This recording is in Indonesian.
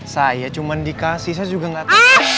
saya cuma dikasih saya juga nggak tahu